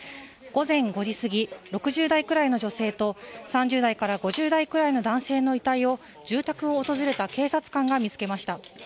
午前５時すぎ、６０代くらいの女性と３０代から５０代くらいの男性の遺体を男性の遺体を住宅を訪れた警察官が見つけました。